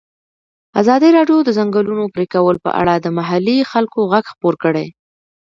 ازادي راډیو د د ځنګلونو پرېکول په اړه د محلي خلکو غږ خپور کړی.